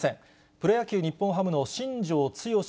プロ野球・日本ハムの新庄剛志